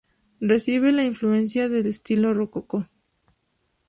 Recibe la influencia del estilo rococó.